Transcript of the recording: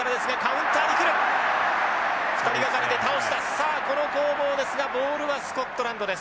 さあこの攻防ですがボールはスコットランドです。